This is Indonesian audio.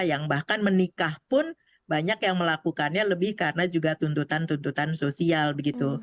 yang bahkan menikah pun banyak yang melakukannya lebih karena juga tuntutan tuntutan sosial begitu